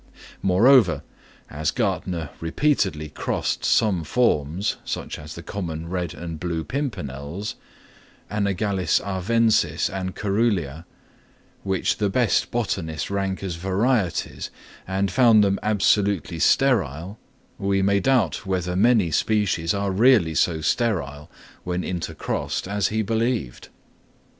Moreover, as Gärtner repeatedly crossed some forms, such as the common red and blue pimpernels (Anagallis arvensis and coerulea), which the best botanists rank as varieties, and found them absolutely sterile, we may doubt whether many species are really so sterile, when intercrossed, as he believed.